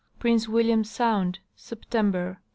Prince William sound, September.